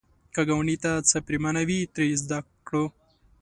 که ګاونډي ته څه پرېمانه وي، ترې زده کړه